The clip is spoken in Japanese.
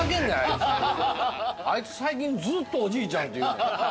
あいつ最近ずっとおじいちゃんって言うねん。